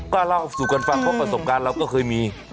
ก็เล่าสู่กันฟังเพราะประสบการณ์เราก็เคยมี